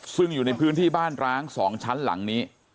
ซึ่งอยู่ในพื้นที่บ้านร้าง๒ชั้นหลังนี้